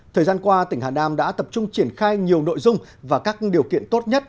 thời gian qua tỉnh hà nam đã tập trung triển khai nhiều nội dung và các điều kiện tốt nhất